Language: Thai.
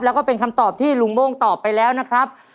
แล้วก็เป็นคำตอบที่ลุงโม่งตอบไปแล้วนะครับ